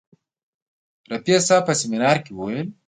رفیع صاحب په سیمینار کې وویل.